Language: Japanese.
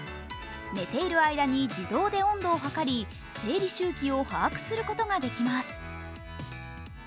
寝ている間に自動で温度を測り生理周期を把握することができます。